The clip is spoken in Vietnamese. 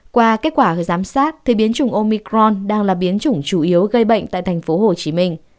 qua kết quả giám sát biến chủng omicron đang là biến chủng chủ yếu gây bệnh tại tp hcm